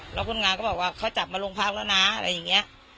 แล้วคนงานก็บอกว่าเขาจับมาโรงพักแล้วนะอะไรอย่างนี้